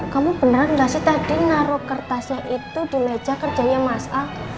kamu beneran gak sih tadi naruh kertasnya itu di meja kerjanya mas al